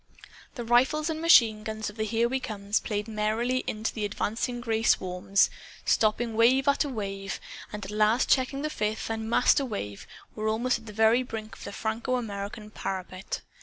The rifles and machine guns of the Here We Comes played merrily into the advancing gray swarms, stopping wave after wave, and at last checking the fifth and "master" wave almost at the very brink of the Franco American parapet.